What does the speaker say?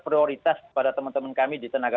prioritas kepada teman teman kami di tenaga